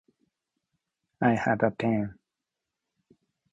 I have a pen.